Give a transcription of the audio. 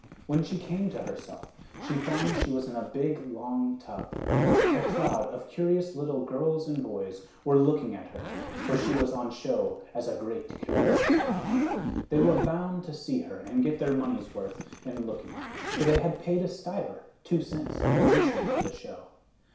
When she came to herself, she found she was in a big long tub. A crowd of curious little girls and boys were looking at her, for she was on show as a great curiosity. They were bound to see her and get their money's worth in looking, for they had paid a stiver (two cents) admission to the show.